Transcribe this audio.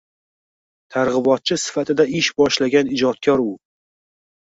Targ‘ibotchi sifatida ish boshlagan ijodkor u.